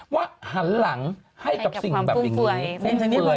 หันหลังให้กับสิ่งแบบนี้เลย